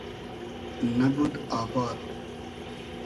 نئبود آباد